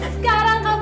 sekarang kamu aku